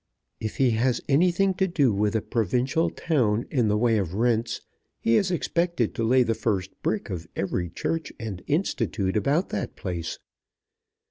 If he has anything to do with a provincial town in the way of rents he is expected to lay the first brick of every church and institute about the place.